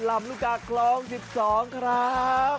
ลำรุกากคลอง๑๒ครับ